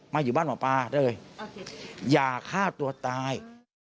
อยู่บ้านหมอปลาเลยอย่าฆ่าตัวตาย